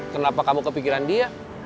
kenapa kamu kepikiran dia